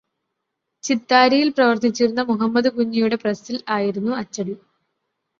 ചിത്താരിയിൽ പ്രവർത്തിച്ചിരുന്ന മുഹമ്മദ് കുഞ്ഞിയുടെ പ്രസ്സിൽ ആയിരുന്നു അച്ചടി.